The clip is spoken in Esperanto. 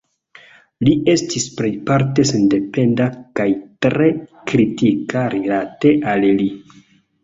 Li estis plejparte sendependa kaj tre kritika rilate al li.